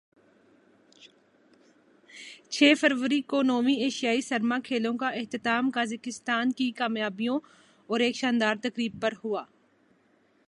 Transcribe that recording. چھ فروری کو ویں ایشیائی سرما کھیلوں کا اختتام قازقستان کی کامیابیوں اور ایک شاندار تقریب پر ہوا